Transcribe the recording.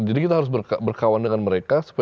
jadi kita harus berkawan dengan mereka